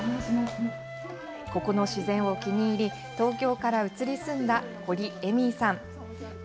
ここの自然を気に入り、東京から移り住んだ掘エミイさん。